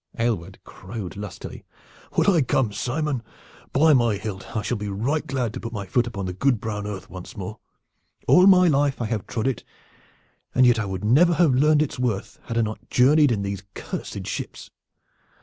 Aylward crowed lustily. "Will I come, Simon? By my hilt, I shall be right glad to put my foot on the good brown earth once more. All my life I have trod it, and yet I would never have learned its worth had I not journeyed in these cursed ships.